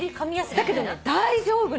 だけどね大丈夫なの。